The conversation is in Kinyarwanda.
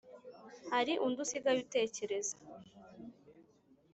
hari undi usigaye utekereza